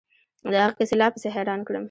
د هغه کيسې لا پسې حيران کړم.